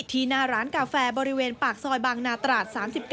หน้าร้านกาแฟบริเวณปากซอยบางนาตราด๓๙